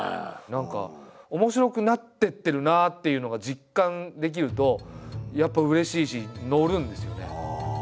何か面白くなってってるなあっていうのが実感できるとやっぱうれしいし乗るんですよね。